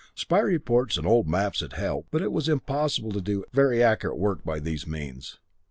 Spy reports and old maps had helped, but it was impossible to do very accurate work by these means.